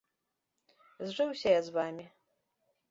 Зжыўся я з вамі.